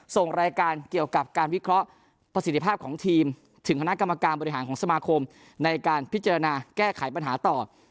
ส่งรายการเกี่ยวกับการวิเคราะห์ประสิทธิภาพของทีมถึงคณะกรรมการบริหารของสมาคมในการพิจารณาแก้ไขปัญหาต่อ